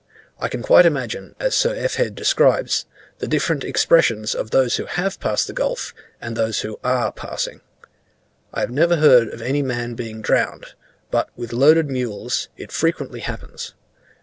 I can quite imagine, as Sir F. Head describes, the different expressions of those who have passed the gulf, and those who are passing. I never heard of any man being drowned, but with loaded mules it frequently happens.